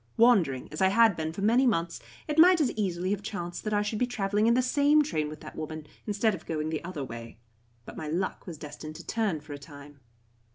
Wandering as I had been for many months, it might as easily have chanced that I should be travelling in the same train with that woman, instead of going the other way. But my luck was destined to turn for a time.